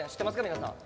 皆さん。